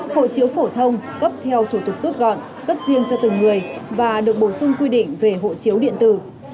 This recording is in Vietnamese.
hộ chiếu phổ thông cấp theo thủ tục rút gọn cấp riêng cho từng người và được bổ sung quy định về hộ chiếu điện tử